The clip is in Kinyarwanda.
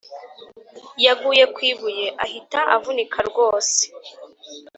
Yaguye kw’ibuye ahita avunika rwose